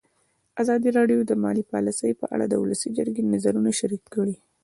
ازادي راډیو د مالي پالیسي په اړه د ولسي جرګې نظرونه شریک کړي.